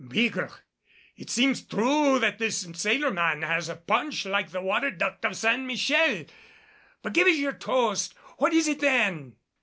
"Bigre! It seems true that this sailor man has a paunch like the great water duct of St. Michel. But give us your toast. What is it, then?"